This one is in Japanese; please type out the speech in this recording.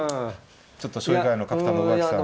ちょっと将棋界の角田信朗さん。